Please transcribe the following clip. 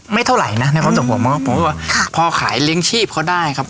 ไม่เท่าไรนะในความสุขผมผมว่าค่ะพ่อขายเลี้ยงชีพเขาได้ครับ